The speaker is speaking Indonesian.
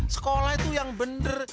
sekolah itu yang bener